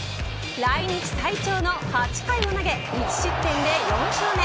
来日最長の８回を投げ１失点で４勝目。